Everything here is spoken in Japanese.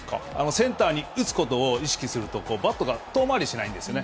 センターに打つことを意識すると、バットから遠回りしないんですよね。